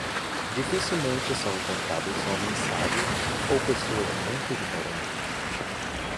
Dificilmente são encontrados homens sábios ou pessoas muito ignorantes.